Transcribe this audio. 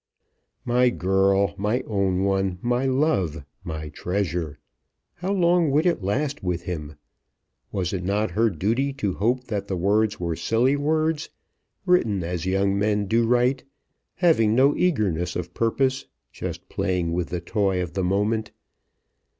"My girl, my own one, my love, my treasure!" How long would it last with him? Was it not her duty to hope that the words were silly words, written as young men do write, having no eagerness of purpose, just playing with the toy of the moment?